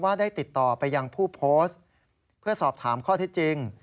ได้ติดต่อไปยังผู้โพสต์เพื่อสอบถามข้อเท็จจริง